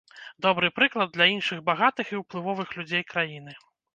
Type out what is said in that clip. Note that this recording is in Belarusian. Добры прыклад для іншых багатых і ўплывовых людзей краіны.